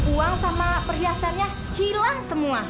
uang sama perhiasannya hilang semua